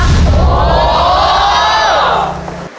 โถ